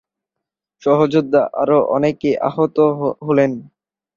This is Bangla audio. সহযোদ্ধা আরও অনেকে আহত হলেন।